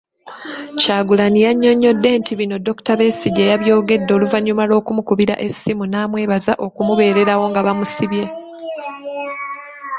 Kyagulanyi yannyonnyodde nti bino Dokita Besigye yabyogedde oluvannyuma lw'okumukubira essimu n'amwebaza olw'okumubererawo nga bamusibye.